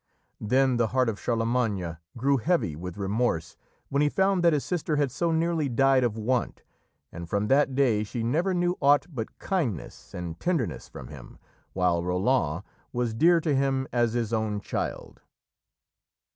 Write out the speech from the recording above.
Then the heart of Charlemagne grew heavy with remorse when he found that his sister had so nearly died of want, and from that day she never knew aught but kindness and tenderness from him, while Roland was dear to him as his own child.